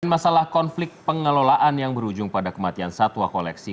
masalah konflik pengelolaan yang berujung pada kematian satwa koleksi